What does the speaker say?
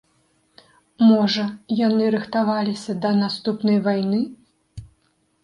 Можа, яны рыхтаваліся да наступнай вайны?